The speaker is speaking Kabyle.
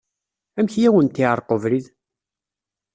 Amek ay awent-yeɛreq ubrid?